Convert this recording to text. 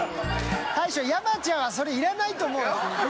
臂山ちゃんはそれいらないと思うよ！